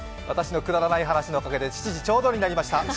私のくだらない話のおかげで７時ちょうどになりました。